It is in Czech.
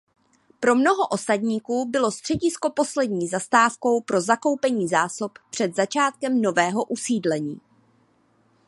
Pro mnoho osadníků bylo středisko poslední zastávkou pro zakoupení zásob před začátkem nového usídlení.